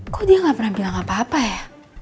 kok dia gak pernah bilang apa apa ya